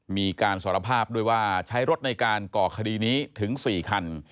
มีการสารภาพด้วยว่าใช้รถในการก่อคดีนี้ถึง๔คัน